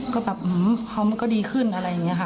ก็แบบเขาก็ดีขึ้นอะไรอย่างนี้ค่ะ